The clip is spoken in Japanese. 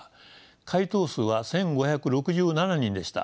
回答数は１，５６７人でした。